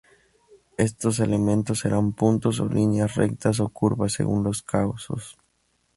Estos elementos serán puntos o líneas, rectas o curvas, según los casos.